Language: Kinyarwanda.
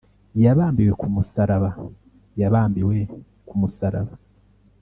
Yabambiwe ku musaraba, Ya bambiwe ku musaraba.